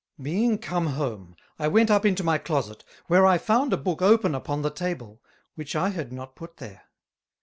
Being come home, I went up into my Closet, where I found a Book open upon the Table, which I had not put there.